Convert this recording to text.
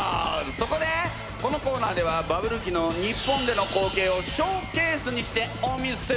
そこでこのコーナーではバブル期の日本での光景をショーケースにしてお見せするぜ！